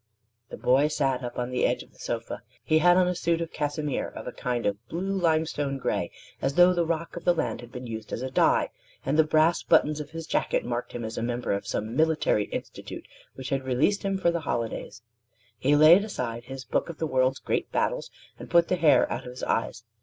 The boy sat up on the edge of the sofa. He had on a suit of cassimere of a kind of blue limestone gray as though the rock of the land had been used as a dye; and the brass buttons of his jacket marked him as a member of some military institute, which had released him for the holidays. He laid aside his Book of the World's Great Battles, and put the hair out of his eyes.